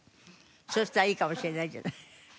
そうしたらいいかもしれないじゃない。